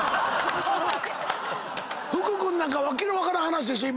福君なんか訳の分からん話でしょ？